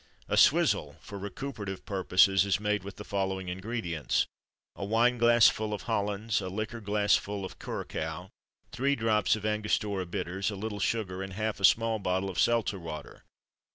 A Swizzle, for recuperative purposes is made with the following ingredients: a wine glassful of Hollands, a liqueur glassful of curaçoa, three drops of Angostura bitters, a little sugar, and half a small bottle of seltzer water.